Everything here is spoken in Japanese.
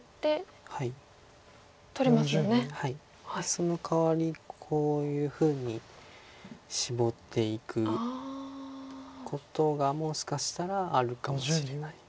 そのかわりこういうふうにシボっていくことがもしかしたらあるかもしれない。